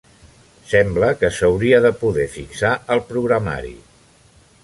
Sembla que s'hauria de poder fixar al programari.